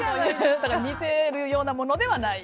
だから見せるようなものではない。